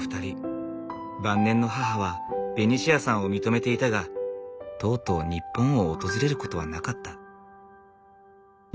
晩年の母はベニシアさんを認めていたがとうとう日本を訪れることはなかった。